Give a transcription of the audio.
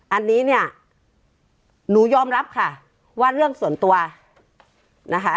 อันนี้เนี่ยหนูยอมรับค่ะว่าเรื่องส่วนตัวนะคะ